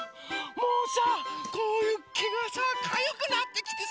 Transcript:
もうさこうけがさかゆくなってきてさ